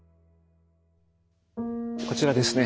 こちらですね。